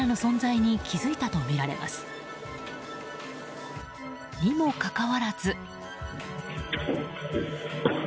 にもかかわらず。